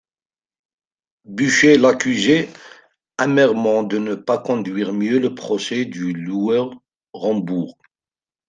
Buchez l'accusait amèrement de ne pas conduire mieux le procès du loueur Rambourg.